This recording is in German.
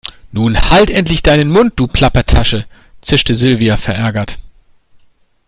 Nun halt endlich deinen Mund, du Plappertasche, zischte Silvia verärgert.